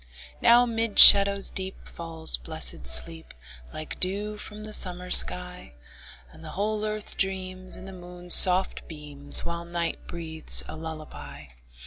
Now 'mid shadows deep Falls blessed sleep, Like dew from the summer sky; And the whole earth dreams, In the moon's soft beams, While night breathes a lullaby.